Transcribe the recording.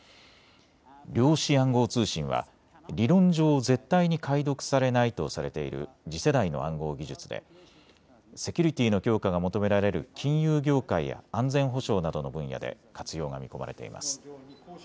量子暗号通信は理論上、絶対に解読されないとされている次世代の暗号技術でセキュリティーの強化が求められる金融業界や安全保障などの分野で活用が見込まれています。